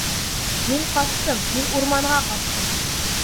— Мин ҡастым, мин урманға ҡастым.